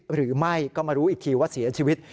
หรือไม่ก็มารู้อีกทีว่าเสียชีวิต